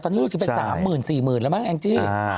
ตอนนี้ก็คือเป็น๓๐๐๐๐๔๐๐๐๐แล้วมั้งแองจิ